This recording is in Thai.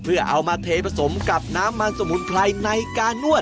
เพื่อเอามาเทผสมกับน้ำมันสมุนไพรในการนวด